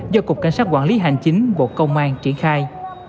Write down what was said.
do cục cảnh sát quản lý hành chính bộ công an triển khai